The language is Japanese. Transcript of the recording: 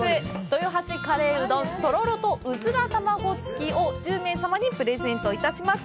「豊橋カレーうどんとろろとうずらの卵付き」を１０名様にプレゼントいたします。